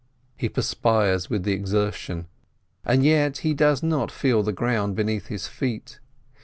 He perspires with the exertion, and yet he does not feel the ground beneath his feet.